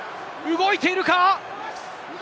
動いているか？